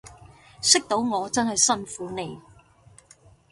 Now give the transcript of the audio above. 識到我真係辛苦你